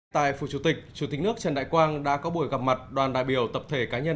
tại phủ chủ tịch chủ tịch nước trần đại quang đã có buổi gặp mặt đoàn đại biểu tập thể cá nhân